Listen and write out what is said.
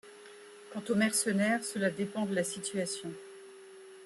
Quant aux mercenaires, cela dépend de la situation.